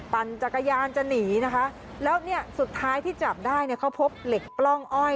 ปันจักรยานจะหนีนะฮะแล้วสุดท้ายที่จับได้เขาพบเหล็กปล้องอ้อย